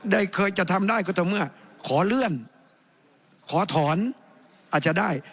เคยจะทำได้ก็ต่อเมื่อขอเลื่อนขอถอนอาจจะได้